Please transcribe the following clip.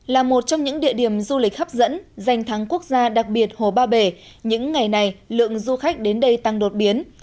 là một trong những địa điểm du lịch hấp dẫn giành thắng quốc gia đặc biệt hồ ba bể những ngày này lượng du khách đến đây tăng đột biến